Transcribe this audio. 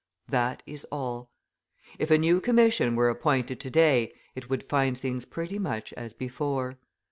That is all. If a new commission were appointed to day, it would find things pretty much as before.